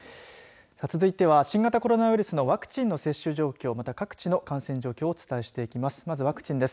続いては新型コロナウイルスのワクチンの接種状況また各地の感染状況をお伝えしていきます。